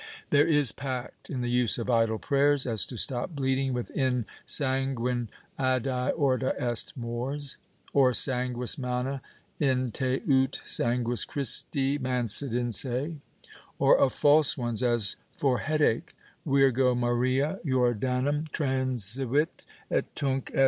There is pact in the use of idle prayers, as to stop bleeding with In san guine Adce orta est mors, or Sanguis mane in te ut sanguis Christi mansit in se; or of false ones, as for head ache Virgo Maria Jor danum transivit et tunc S.